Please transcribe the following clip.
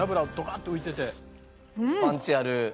パンチある。